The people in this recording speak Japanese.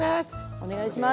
お願いします！